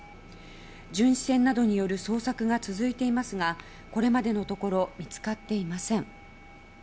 巡視船などによる捜索が続いていますがこれまでのところ見つかっていません。